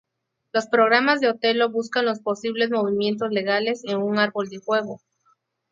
Los programas de Otelo buscan los posibles movimientos legales en un Árbol de Juego..